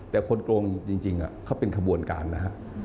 แต่คนโกงจริงเขาเป็นขบวนการนะฮะ